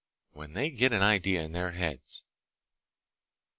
When they get an idea in their heads...."